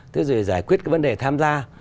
thế rồi giải quyết cái vấn đề tham gia